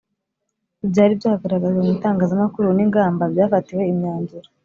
Ibyari byagaragajwe mu itangazamakuru n ingamba byafatiwe imyanzuro